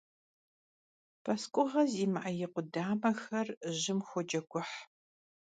P'esk'uğe zimı'e yi khudamexer jım xoceguh.